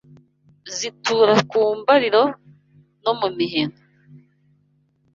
Zitura ku mbariro no mu miheno